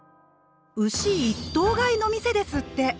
「牛一頭買いの店」ですって。